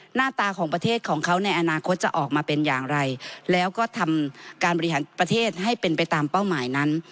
หน้าตาของประเทศของเขาในอนาคตจะออกมาเป็นอย่างไรแล้วก็ทำการบริหารประเทศให้เป็นไปตามเป้าหมายนั้น